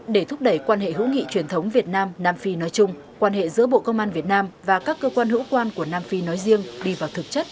để thúc đẩy quan hệ hữu nghị truyền thống việt nam nam phi nói chung quan hệ giữa bộ công an việt nam và các cơ quan hữu quan của nam phi nói riêng đi vào thực chất